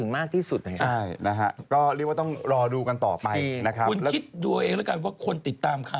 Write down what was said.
มากกว่าดูละครอีก